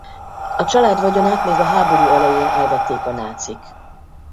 A család vagyonát még a háború elején elvették a nácik.